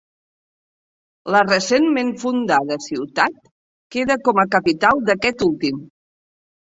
La recentment fundada ciutat queda com a capital d'aquest últim.